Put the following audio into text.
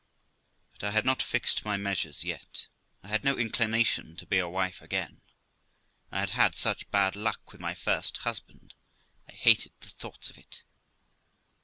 But I had not fixed my measures yet. I had no inclination to be a wife again. I had had such bad luck with my first husband, I hated the thoughts of it.